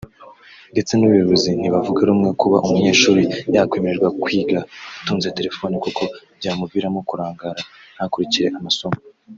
ndetse n’ubuyobozi ntibavuga rumwe kuba umunyeshuri yakwemererwa kwiga atunze telefone kuko byamuviramo kurangara ntakurikire amasomo